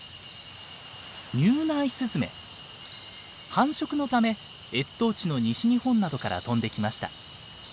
繁殖のため越冬地の西日本などから飛んできました。